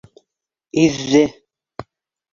Иҙҙе!